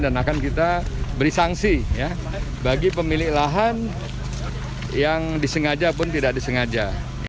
dan akan kita beri sanksi bagi pemilik lahan yang disengaja pun tidak disengaja